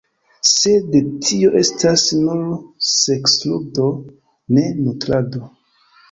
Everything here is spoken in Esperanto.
Sed tio estas nur seksludo, ne nutrado.